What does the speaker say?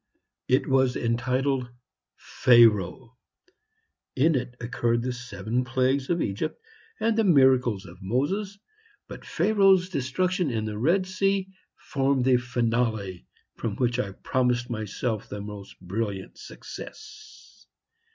It was entitled "Pharaoh." In it occurred the seven plagues of Egypt and the miracles of Moses; but Pharaoh's destruction in the Red Sea formed the finale from which I promised myself the most brilliant success.